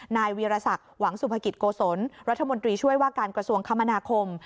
นายวีรศักดิ์หวังสุภกิจโกศลรัฐมนตรีช่วยว่าการกระทรวงคมนาคม